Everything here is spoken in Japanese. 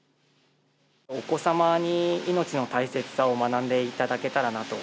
お子様に命の大切さを学んでいただけたらなと。